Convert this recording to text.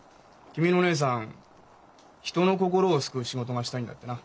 君のお姉さん人の心を救う仕事がしたいんだってな？